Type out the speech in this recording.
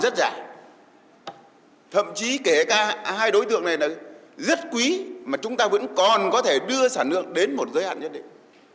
thậm chí kể cả hai đối tượng này là rất quý mà chúng ta vẫn còn có thể đưa sản lượng đến một giới hạn nhất định